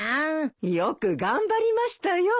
よく頑張りましたよ。